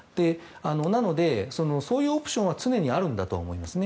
なので、そういうオプションは常にあるんだと思いますね。